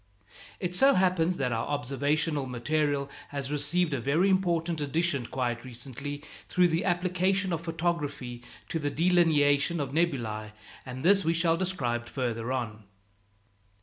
It so happens that our observational material has received a very important addition quite recently through the application of photography to the delineation of nebulæ, and this we shall describe farther on.